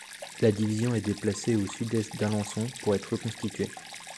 La division est déplacée au sud-est d'Alençon pour être reconstituée.